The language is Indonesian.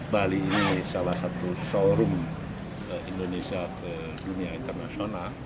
bali ini salah satu showroom indonesia ke dunia internasional